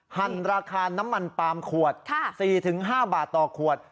หั่นราคาน้ำมันปาล์มขวด๔๕บาทต่อขวด